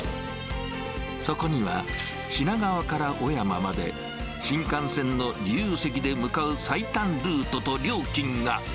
そこには、品川から小山まで、新幹線の自由席で向かう最短ルートと料金が。